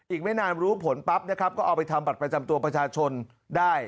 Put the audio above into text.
อีกไม่นานรู้ผลปั๊บนะครับก็เอาไปทำบัตรประจำตัวประชาชนได้